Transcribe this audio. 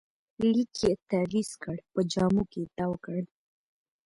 لیک یې تاویز کړ، په جامو کې تاوکړ